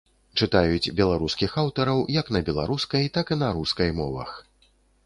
Чытаюць беларускіх аўтараў як на беларускай, так і на рускай мовах.